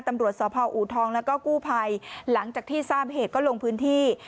ตำรวจสพอูทองแล้วก็กู้ภัยหลังจากที่ทราบเหตุก็ลงพื้นที่